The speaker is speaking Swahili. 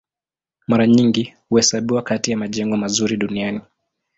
Mara nyingi huhesabiwa kati ya majengo mazuri duniani.